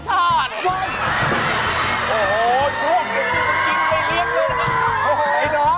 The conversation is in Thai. เมื่อกลั้ง